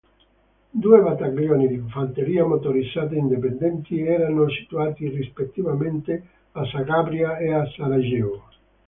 Due battaglioni di fanteria motorizzata indipendenti erano situati rispettivamente a Zagabria e a Sarajevo.